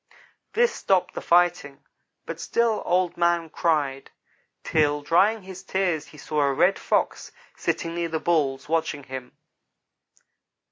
This stopped the fight; but still Old man cried, till, drying his tears, he saw a Red Fox sitting near the Bulls, watching him.